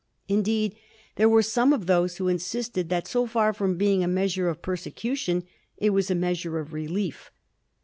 Indeed, there were some of these who insisted that, so &r from being a measure of persecution, it was a measure of relief.